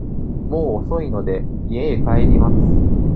もう遅いので、家へ帰ります。